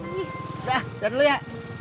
ih udah jalan dulu ya